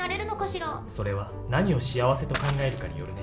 それは何を幸せと考えるかによるね。